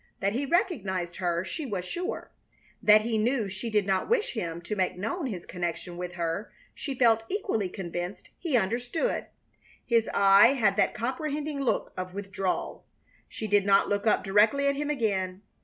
That he recognized her she was sure; that he knew she did not wish him to make known his connection with her she felt equally convinced he understood. His eye had that comprehending look of withdrawal. She did not look up directly at him again.